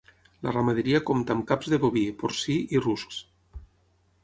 La ramaderia compta amb caps de boví, porcí i ruscs.